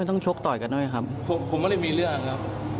ผมก็เลยมีเรื่องครับ